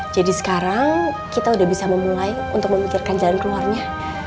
jadi sekarang kita sudah bisa memulai untuk memikirkan jalan keluarnya